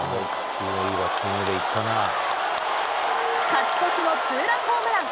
勝ち越しのツーランホームラン。